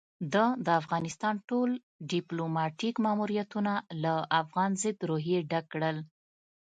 ده د افغانستان ټول ديپلوماتيک ماموريتونه له افغان ضد روحيې ډک کړل.